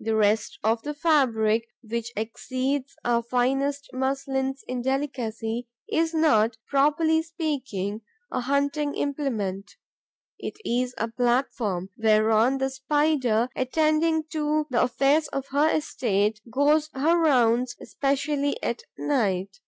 The rest of the fabric, which exceeds our finest muslins in delicacy, is not, properly speaking, a hunting implement: it is a platform whereon the Spider, attending to the affairs of her estate, goes her rounds, especially at night.